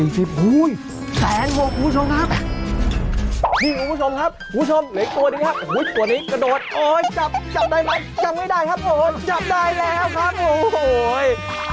จับเลยครับจับเลยจับเลย